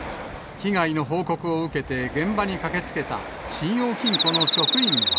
被害の報告を受けて現場に駆けつけた信用金庫の職員は。